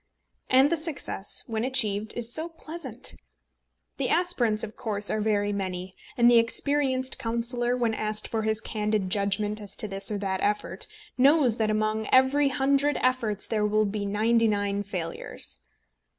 And the success, when achieved, is so pleasant! The aspirants, of course, are very many; and the experienced councillor, when asked for his candid judgment as to this or that effort, knows that among every hundred efforts there will be ninety nine failures.